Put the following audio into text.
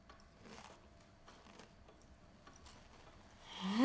うん！